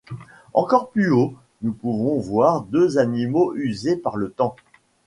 Encore plus haut nous pouvons voir deux animaux usés par le temps.